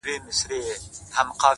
• په زندان کي یې آغازي ترانې کړې ,